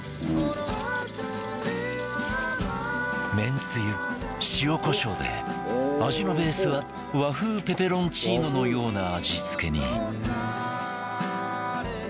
めんつゆ塩コショウで味のベースは和風ペペロンチーノのような味付けに